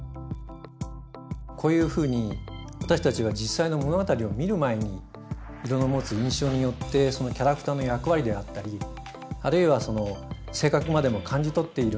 こういうふうに私たちは実際の物語を見る前に色の持つ印象によってそのキャラクターの役割であったりあるいはその性格までも感じ取っているんです。